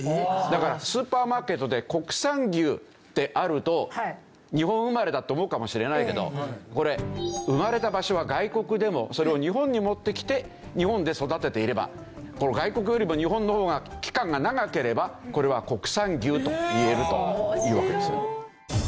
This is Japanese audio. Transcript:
だからスーパーマーケットで国産牛ってあると日本生まれだって思うかもしれないけどこれ生まれた場所は外国でもそれを日本に持ってきて日本で育てていれば外国よりも日本の方が期間が長ければこれは国産牛といえるというわけですよね。